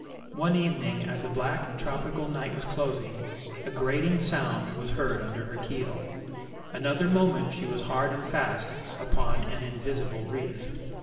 One evening as the black tropical night was closing, a grating sound was heard under her keel: another moment she was hard and fast upon an invisible reef.